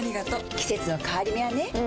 季節の変わり目はねうん。